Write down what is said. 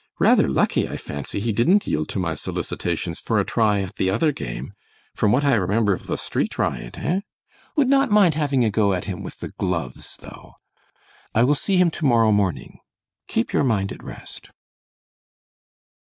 Rather lucky, I fancy, he didn't yield to my solicitations for a try at the other game from what I remember of the street riot, eh? Would not mind having a go with him with the gloves, though. I will see him to morrow morning. Keep your mind at rest."